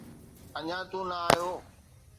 اڃا تون نه آيون.